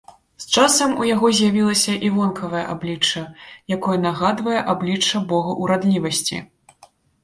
З часам у яго з'явілася і вонкавае аблічча, якое нагадвае аблічча бога ўрадлівасці.